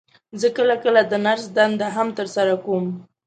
زه کله کله د نرس دنده هم تر سره کوم.